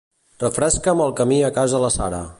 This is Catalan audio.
Refresca'm el camí a casa la Sara.